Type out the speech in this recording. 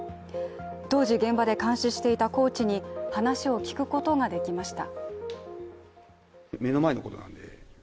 当時、現場で監視していたコーチに話を聞くことができました。